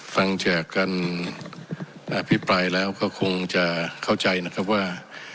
ฟังจากการอภิปรายแล้วก็คงจะเข้าใจนะครับว่า